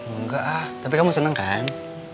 enggak ah tapi kamu seneng kan